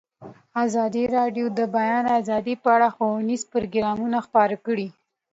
ازادي راډیو د د بیان آزادي په اړه ښوونیز پروګرامونه خپاره کړي.